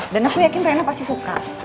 dan aku yakin rena pasti suka